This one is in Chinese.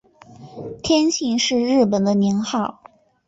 天庆是日本的年号。